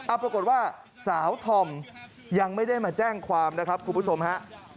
เอาปรากฏว่าสาวธอมยังไม่ได้มาแจ้งความนะครับคุณผู้ชมฮะ